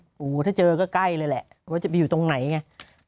โอ้โหถ้าเจอก็ใกล้เลยแหละว่าจะไปอยู่ตรงไหนไง